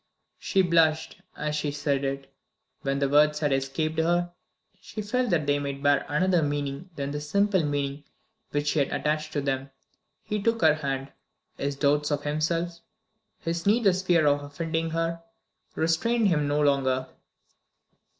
She blushed as she said it. When the words had escaped her, she felt that they might bear another meaning than the simple meaning which she had attached to them. He took her hand; his doubts of himself, his needless fear of offending her, restrained him no longer.